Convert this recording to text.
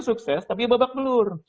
sukses tapi babak belur